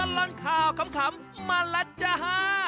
ตลันข่าวขำขัมมาลัดจ๊ะฮะ